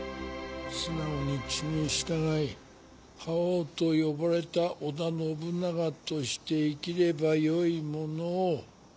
素直に血に従い覇王と呼ばれた織田信長として生きればよいものを。